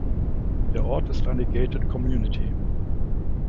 Der Ort ist eine Gated Community.